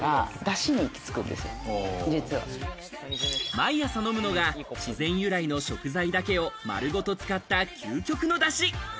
毎朝飲むのが、自然由来の食材だけを丸ごと使った究極のダシ。